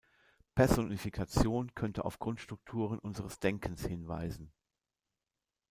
Personifikation könnte auf Grundstrukturen unseres Denkens hinweisen.